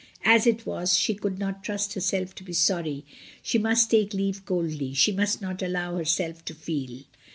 As it was, she could SAYING "GOOD BYE." 1 33 not trust herself to be sorry; she must take leave coldly. She must not allow herself to feel.